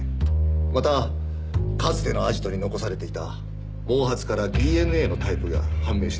またかつてのアジトに残されていた毛髪からＤＮＡのタイプが判明しています。